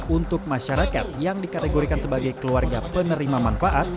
untuk masyarakat yang dikategorikan sebagai keluarga penerima manfaat